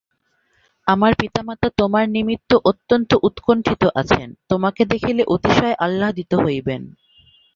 আমার পিতা মাতা তোমার নিমিত্ত অত্যন্ত উৎকণ্ঠিত আছেন, তোমাকে দেখিলে অতিশয় আহ্লাদিত হইবেন।